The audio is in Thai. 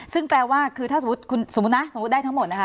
ซึ่งแปลว่าคือถ้าสมมุตินะสมมุติได้ทั้งหมดนะคะ